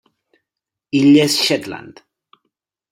Illes Shetland.